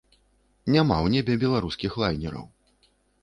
Няма ў небе беларускіх лайнераў.